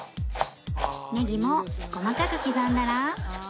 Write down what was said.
ネギも細かく刻んだら